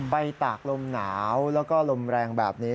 ตากลมหนาวแล้วก็ลมแรงแบบนี้